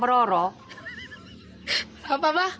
jadi kalau mau marah marah sama simbah